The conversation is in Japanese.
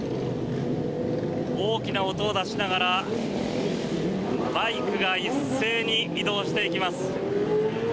大きな音を出しながら、バイクが一斉に移動していきます。